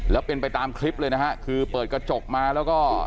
แล้วเป็นไปตามคลิปเลยนะฮะคือเปิดกระจกมาแล้วก็